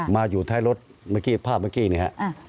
มาอยู่ท้ายรถเมื่อกี้ภาพเมื่อกี้เนี่ยฮะ